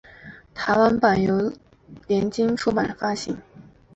台湾版由联经出版发行。